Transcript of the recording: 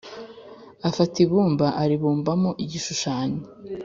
afata ibumba aribumbamo igishushanyo